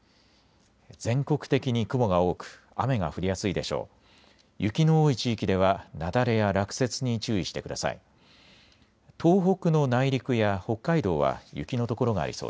全国的に雲が多く雨が降りやすいでしょう。